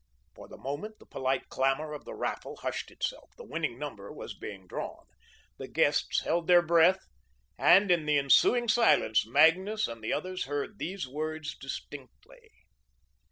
For the moment, the polite clamour of the raffle hushed itself the winning number was being drawn. The guests held their breath, and in the ensuing silence Magnus and the others heard these words distinctly